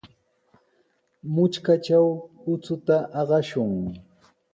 Mutrkatraw uchuta aqashun.